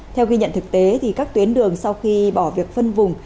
theo ghi nhận thực tế thì các tuyến đường sau khi bỏ việc phân vùng